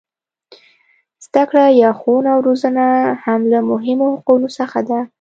زده کړه یا ښوونه او روزنه هم له مهمو حقونو څخه ده.